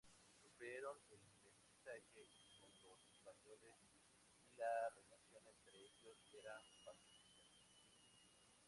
Sufrieron el mestizaje con los Españoles y la relación entre ellos era pacífica.